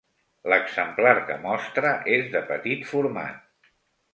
L'exemplar que mostra és de petit format.